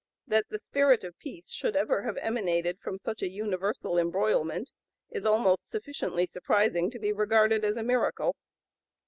That the spirit of peace should ever have emanated from such an universal embroilment is almost sufficiently surprising to be regarded as a miracle.